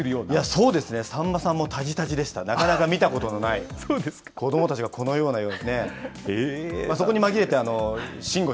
そうですね、さんまさんもたじたじでした、なかなか見たことのない子どもたちがこのような様子ですね。